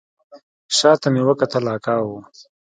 شا ته مې وکتل اکا و.